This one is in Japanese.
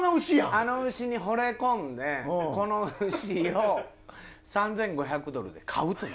あの牛にほれ込んでこの牛を３５００ドルで買うという。